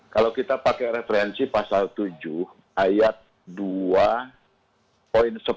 kalau kita pakai referensi pasal tujuh ayat dua poin sepuluh